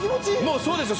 もうそうですよ。